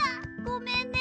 ごめんね。